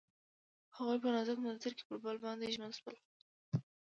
هغوی په نازک منظر کې پر بل باندې ژمن شول.